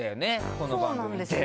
この番組って。